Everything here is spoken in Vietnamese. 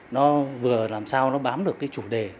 nó vừa làm sao nó bám được cái chủ đề